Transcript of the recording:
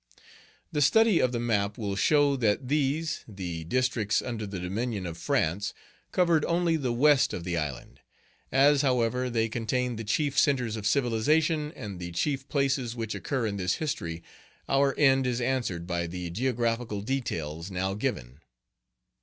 The study of the map will show that these, the districts under the dominion of France, covered only the west of the island. As, however, they contained the chief centres of civilization, and the chief places which occur in this history, our end is answered by the geographical details now given.